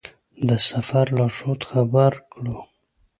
د سفر لارښود خبر کړو.